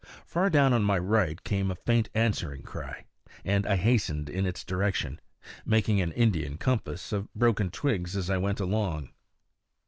Far down on my right came a faint answering cry, and I hastened in its direction, making an Indian compass of broken twigs as I went along.